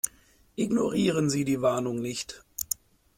Ignorieren Sie die Warnung nicht.